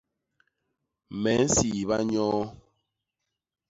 Me nsiiba nyoo.